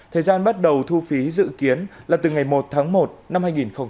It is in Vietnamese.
thời gian bắt đầu thu phí dự kiến là từ ngày một tháng một năm hai nghìn hai mươi